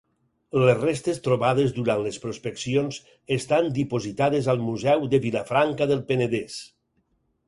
Les restes trobades durant les prospeccions estan dipositades al museu de Vilafranca del Penedès.